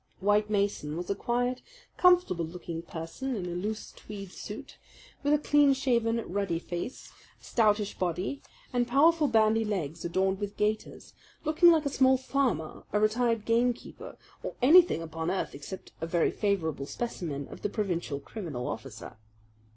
White Mason was a quiet, comfortable looking person in a loose tweed suit, with a clean shaved, ruddy face, a stoutish body, and powerful bandy legs adorned with gaiters, looking like a small farmer, a retired gamekeeper, or anything upon earth except a very favourable specimen of the provincial criminal officer.